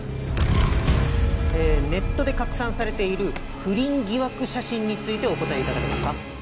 ネットで拡散されている不倫疑惑写真についてお答えいただけますか？